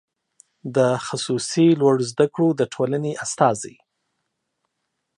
د خصوصي لوړو زده کړو د ټولنې استازی